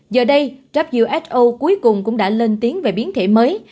giờ đây who cuối cùng cũng đã lên tiếng về biến thể mới